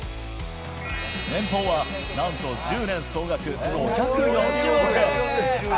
年俸はなんと１０年総額５４０億円。